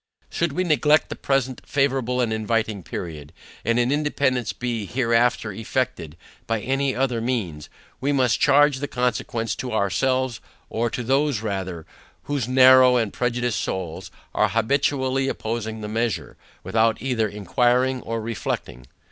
Should we neglect the present favorable and inviting period, and an Independance be hereafter effected by any other means, we must charge the consequence to ourselves, or to those rather, whose narrow and prejudiced souls, are habitually opposing the measure, without either inquiring or reflecting.